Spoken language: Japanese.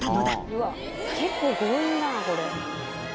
うわっ結構強引だなこれ。